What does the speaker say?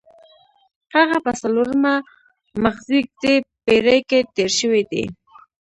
هغه په څلورمه مخزېږدي پېړۍ کې تېر شوی دی.